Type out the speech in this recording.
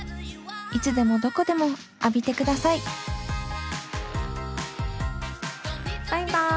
いつでもどこでも浴びてくださいバイバイ。